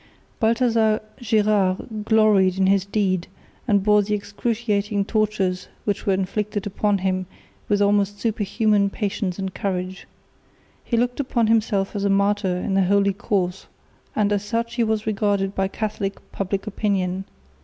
Balthazar Gérard gloried in his deed, and bore the excruciating tortures which were inflicted upon him with almost superhuman patience and courage. He looked upon himself as a martyr in a holy cause, and as such he was regarded by Catholic public opinion.